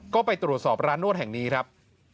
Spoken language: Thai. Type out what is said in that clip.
ก็ไปตรวจสอบร้านนวดแห่งนี้ครับ